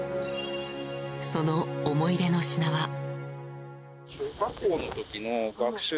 その思い出の品は。